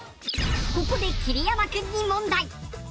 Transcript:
ここで桐山君に問題。